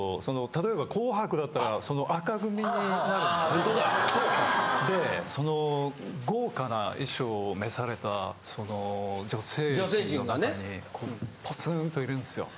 例えば。でその豪華な衣装を召された女性陣の中にポツンといるんですよ。